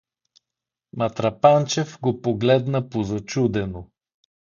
Матрапанчев го погледна позачудено.